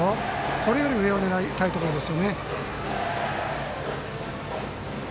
これより上を狙いたいところです。